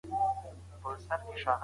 هیلواله